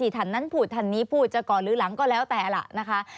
ท่านนั้นพูดท่านนี้พูดจะก่อนหรือหลังก็แล้วแต่ล่ะนะคะ